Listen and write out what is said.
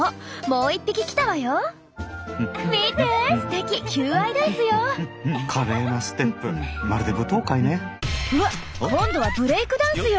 うわ今度はブレイクダンスよ。